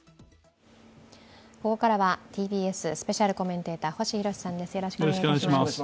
ここからはＴＢＳスペシャルコメンテーター星浩さんです。